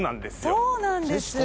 そうなんです。